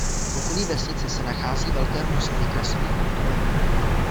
V okolí vesnice se nachází velké množství krasových útvarů.